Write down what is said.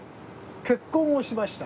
結婚をしました。